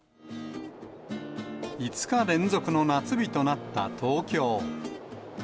５日連続の夏日となった東京。